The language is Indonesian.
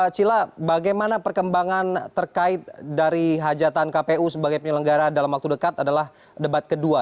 cila bagaimana perkembangan terkait dari hajatan kpu sebagai penyelenggara dalam waktu dekat adalah debat kedua